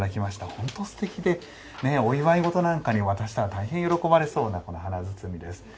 本当にすてきでお祝い事に渡したら大変喜ばれそうな華包です。